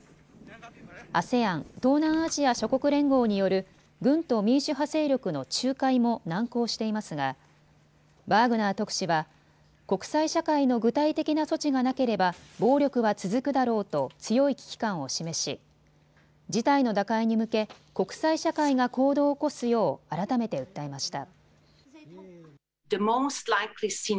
ＡＳＥＡＮ・東南アジア諸国連合による軍と民主派勢力の仲介も難航していますがバーグナー特使は国際社会の具体的な措置がなければ暴力は続くだろうと強い危機感を示し事態の打開に向け国際社会が行動を起こすよう改めて訴えました。